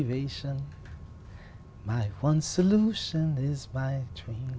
khi anh muốn cô ấy thì